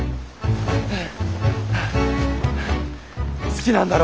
好きなんだろ？